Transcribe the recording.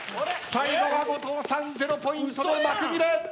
最後は後藤さん０ポイントで幕切れ。